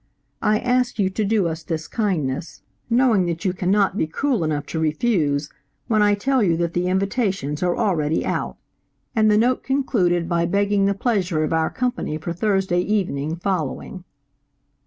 I ask you to do us this kindness, knowing that you cannot be cruel enough to refuse, when I tell you that the invitations are already out." And the note concluded by begging the pleasure of our company for Thursday evening following.